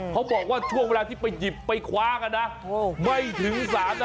เขาบอกว่าช่วงเวลาที่ไปหยิบไปคว้ากันนะไม่ถึง๓นาที